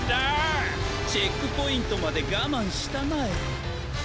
チェックポイントまでがまんしたまえ。